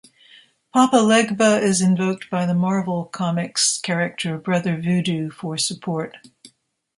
Papa Legba is invoked by the Marvel Comics character Brother Voodoo for support.